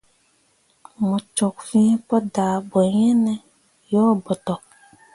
Mu cok fin pu dah boyin yo botok.